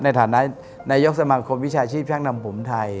ในฐานะนายกสมาคมวิชาชีพช่างนำผมไทย